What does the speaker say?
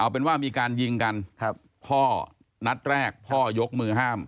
พ่อนัดแรกพ่อยกมือห้าม